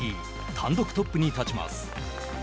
単独トップに立ちます。